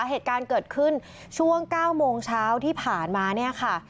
เหตุการณ์เกิดขึ้นช่วง๙โมงเช้าที่ผ่านมาเนี่ยค่ะ